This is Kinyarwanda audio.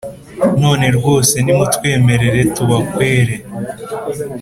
none rwose nimutwemerere tubakwere